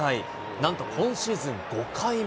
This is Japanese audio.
なんと今シーズン、５回目。